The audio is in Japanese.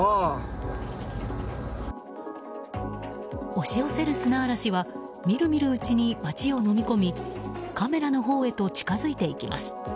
押し寄せる砂嵐はみるみるうちに町をのみ込みカメラのほうへと近づいていきます。